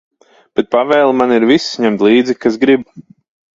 Bet pavēle man ir visus ņemt līdzi, kas grib.